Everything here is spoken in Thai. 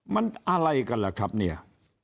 มันอะไรกันล่ะครับเนี่ย